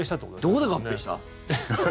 どこと合併した？